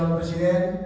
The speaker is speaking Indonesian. yang memiliki kekuasaan